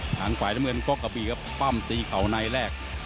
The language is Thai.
ทางฝ่ายน้ำเงินก๊อกกะบีครับปั้มตีเข่าในแรก